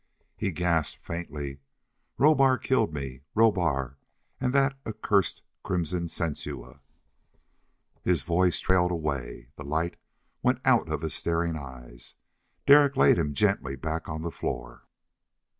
He gasped faintly: "Rohbar killed me. Rohbar and that accursed crimson Sensua...." His voice trailed away. The light went out of his staring eyes. Derek laid him gently back on the floor.